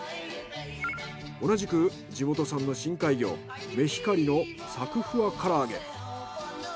同じく地元産の深海魚メヒカリのサクふわ唐揚げ。